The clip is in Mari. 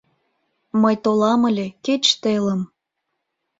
Мый толам ыле, кеч телым